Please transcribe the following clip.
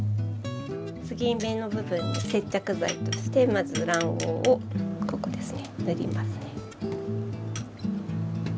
継ぎ目の部分に接着剤としてまず卵黄をここですね塗りますね。